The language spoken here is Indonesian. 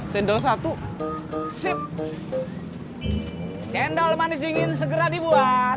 cendol satu sip cendol manis dingin segera dibuat